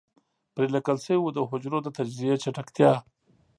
پرې ليکل شوي وو د حجرو د تجزيې چټکتيا.